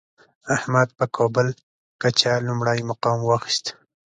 احمد په کابل کچه لومړی مقام واخیست.